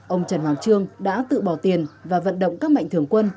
ông trần hoàng trương đã tự bỏ tiền và vận động các mạnh thường quân